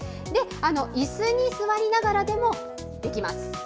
いすに座りながらでもできます。